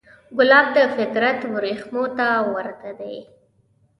ګلاب د فطرت وریښمو ته ورته دی.